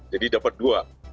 jadi dapat dua